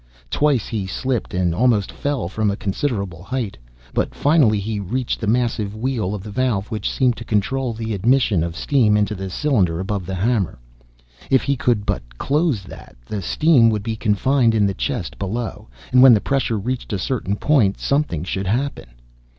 Twice he slipped and almost fell from a considerable height. But finally he reached the massive wheel of the valve which seemed to control the admission of steam into the cylinder above the hammer. If he could but close that, the steam would be confined in the chest below. And when the pressure reached a certain point, something should happen!